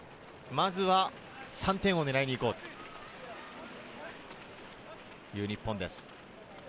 まずは３点を狙いにいこうという日本です。